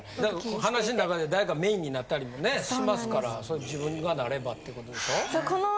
話の中で誰かメインになったりもねしますから自分がなればってことでしょ？